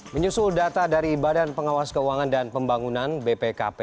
menyusul data dari badan pengawas keuangan dan pembangunan bpkp